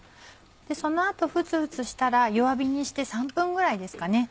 その後フツフツしたら弱火にして３分ぐらいですかね